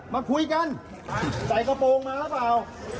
มาคุยกันใส่กระโปรงมาหรือเปล่า